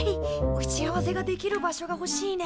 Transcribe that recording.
打ち合わせができる場所がほしいね。